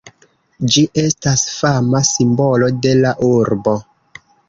Ĝi estas fama simbolo de la urbo.